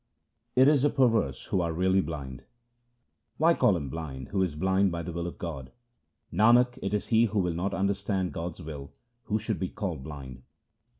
It is the perverse who are really blind :— Why call him blind who is blind by the will of God ? Nanak, it is he who will not understand God's will who should be called blind.